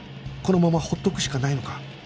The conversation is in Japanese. このままほっとくしかないのか？